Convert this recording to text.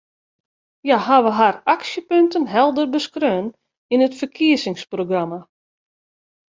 Hja hawwe har aksjepunten helder beskreaun yn it ferkiezingsprogramma.